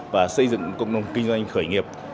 và xây dựng công nông kinh doanh khởi nghiệp